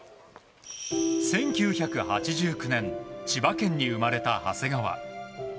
１９８９年千葉県に生まれた長谷川。